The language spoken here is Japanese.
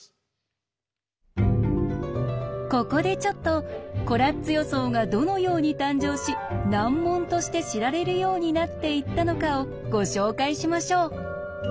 ここでちょっとコラッツ予想がどのように誕生し難問として知られるようになっていったのかをご紹介しましょう。